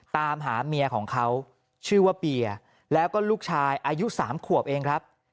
ตามหาเมียของเขาชื่อว่าเปียแล้วก็ลูกชายอายุ๓ขวบเองครับ